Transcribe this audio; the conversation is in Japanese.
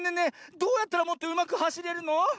どうやったらもっとうまくはしれるの？